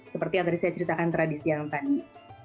seperti yang tadi saya ceritakan tradisi yang tadi